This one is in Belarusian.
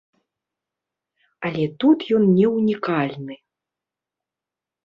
Але тут ён не ўнікальны.